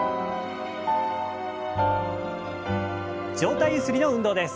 上体ゆすりの運動です。